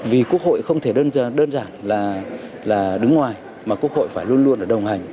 vì quốc hội không thể đơn giản là đứng ngoài mà quốc hội phải luôn luôn đồng hành